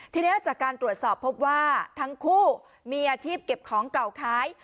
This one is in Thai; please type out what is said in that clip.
ทีนี้จากการตรวจสอบพบว่าทั้งคู่มีอาชีพเก็บของเก่าขาย